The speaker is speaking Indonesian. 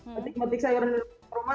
metik metik sayuran rumah